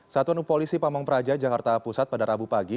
satuan upolisi pamang praja jakarta pusat pada rabu pagi